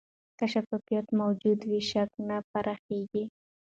که شفافیت موجود وي، شک نه پراخېږي.